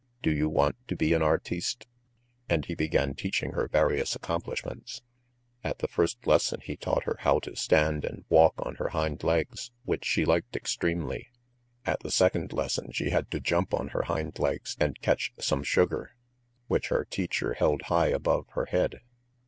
... Do you want to be an artiste?" And he began teaching her various accomplishments. At the first lesson he taught her to stand and walk on her hind legs, which she liked extremely. At the second lesson she had to jump on her hind legs and catch some sugar, which her teacher held high above her head.